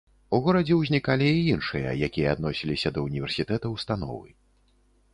У горадзе ўзнікалі і іншыя, якія адносіліся да ўніверсітэта ўстановы.